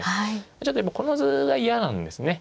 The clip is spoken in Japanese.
ちょっとやっぱこの図が嫌なんですね。